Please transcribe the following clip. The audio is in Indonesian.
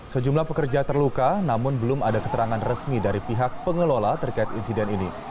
sejumlah pekerja terluka namun belum ada keterangan resmi dari pihak pengelola terkait insiden ini